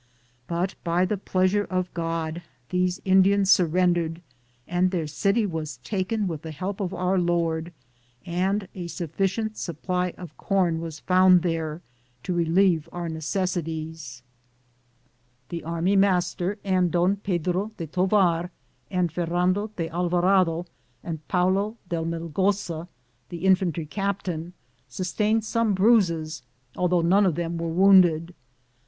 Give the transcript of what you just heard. But, by the pleasure of God, these Indians surrendered, and their city was taken with the help of Our Lord, and a sufficient supply of corn was found there to relieve our The army master and Don Pedro de Tovar and Ferrando de Alvarado and Paulo de Melgosa, the infantry captain, sustained some bruises, although none of them were wounded.